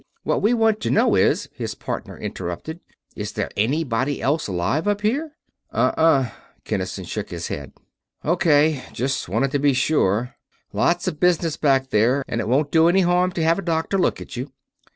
"What we want to know is," his partner interrupted, "Is there anybody else alive up here?" "Uh huh," Kinnison shook his head. "O.K. Just wanted to be sure. Lots of business back there, and it won't do any harm to have a doctor look at you."